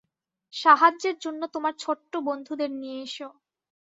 সাহায্যের জন্য তোমার ছোট্ট বন্ধুদের নিয়ে এসো।